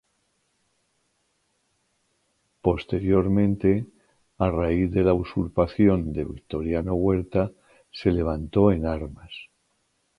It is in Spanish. Posteriormente a raíz de la usurpación de Victoriano Huerta, se levantó en armas.